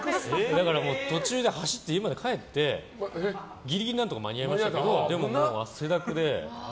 だから、途中で走って家まで帰ってギリギリ何とか間に合いましたけどでももう汗だくで。